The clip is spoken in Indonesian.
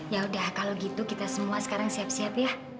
ya udah kalau gitu kita semua sekarang siap siap ya